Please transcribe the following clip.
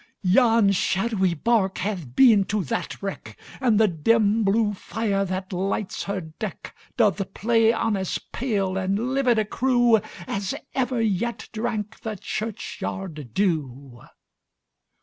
Yon shadowy bark hath been to that wreck, And the dim blue fire, that lights her deck, Doth play on as pale and livid a crewAs ever yet drank the churchyard dew.